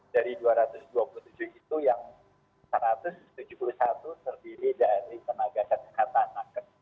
dari dua ratus dua puluh tujuh itu yang satu ratus tujuh puluh satu terdiri dari tenaga kesehatan nakes